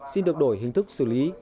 xin được đổi hình thức xử lý